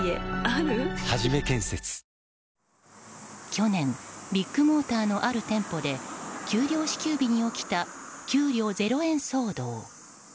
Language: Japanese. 去年、ビッグモーターのある店舗で給料支給日に起きた給料ゼロ円騒動。